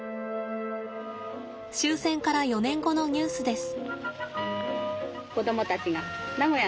終戦から４年後のニュースです。